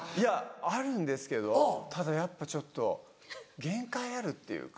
あるんですけどただやっぱちょっと限界あるっていうか。